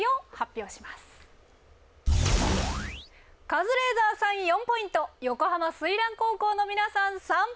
カズレーザーさん４ポイント横浜翠嵐高校の皆さん３ポイント。